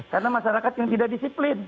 karena masyarakat yang tidak disiplin